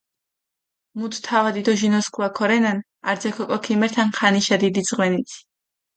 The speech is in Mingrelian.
მუთ თავადი დო ჟინოსქუა ქორენან, არძაქ ოკო ქიმერთან ხანიშა დიდი ძღვენით.